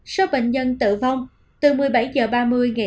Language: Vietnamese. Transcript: số bệnh nhân tử vong từ một mươi bảy h ba mươi ngày sáu tháng hai